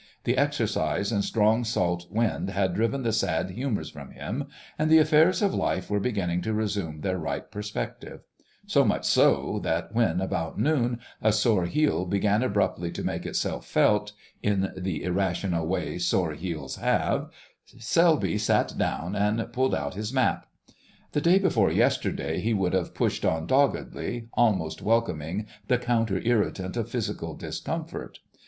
The exercise and strong salt wind had driven the sad humours from him, and the affairs of life were beginning to resume their right perspective; so much so that when, about noon, a sore heel began abruptly to make itself felt (in the irrational way sore heels have), Selby sat down and pulled out his map. The day before yesterday he would have pushed on doggedly, almost welcoming the counter irritant of physical discomfort.